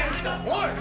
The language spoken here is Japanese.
おい！